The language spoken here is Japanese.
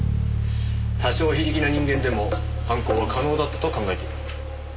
多少非力な人間でも犯行は可能だったと考えています。